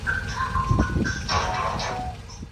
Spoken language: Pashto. څلورم وازه خوله حیران وو هیڅ یې نه ویله